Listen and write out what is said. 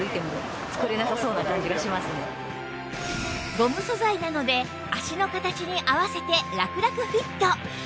ゴム素材なので足の形に合わせてラクラクフィット